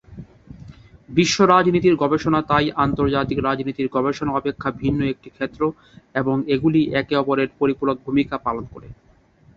বিশ্ব রাজনীতির গবেষণা তাই আন্তর্জাতিক রাজনীতির গবেষণা অপেক্ষা ভিন্ন একটি ক্ষেত্র, এবং এগুলি একে অপরের পরিপূরক ভূমিকা পালন করে।